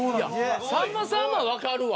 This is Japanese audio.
さんまさんはわかるわ。